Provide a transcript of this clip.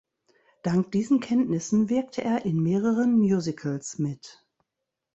Dank diesen Kenntnissen wirkte er in mehreren Musicals mit.